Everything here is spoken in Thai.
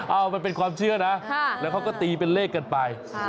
เอามันเป็นความเชื่อนะแล้วเขาก็ตีเป็นเลขกันไป